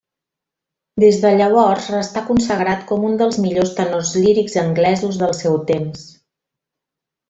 Des de llavors restà consagrat com un dels millors tenors lírics anglesos del seu temps.